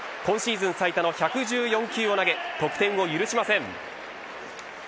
今シーズン最多の１１４球を投げ得点を許しません。